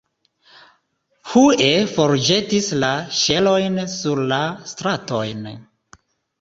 Hue forĵetis la ŝelojn sur la stratojn.